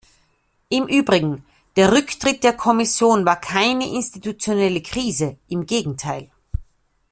Im übrigen, der Rücktritt der Kommission war keine institutionelle Krise, im Gegenteil.